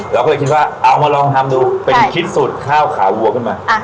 เราก็เลยคิดว่าเอามาลองทำดูเป็นคิดสูตรข้าวขาวัวขึ้นมา